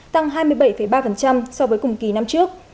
tăng hai mươi bảy ba so với cùng kỳ năm trước